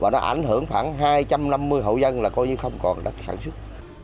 và nó ảnh hưởng khoảng hai trăm năm mươi hộ dân là coi như không còn đất sản xuất